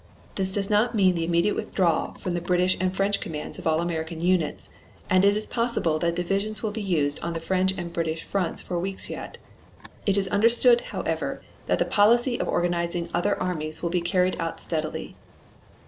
This does not mean the immediate withdrawal from the British and French commands of all American units, and it is probable that divisions will be used on the French and British fronts for weeks yet. It is understood, however, that the policy of organizing other armies will be carried out steadily."